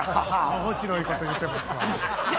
面白いこと言ってます。